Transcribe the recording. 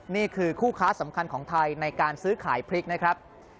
นี่คือคู่ค้าสำคัญของไทยในการซื้อขายพริกนะครับ